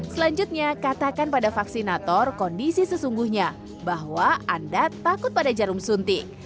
selanjutnya katakan pada vaksinator kondisi sesungguhnya bahwa anda takut pada jarum suntik